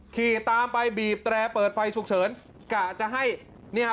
ขี่ตามไปบีบแตรเปิดไฟฉุกเฉินกะจะให้เนี่ย